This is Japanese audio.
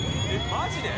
マジで？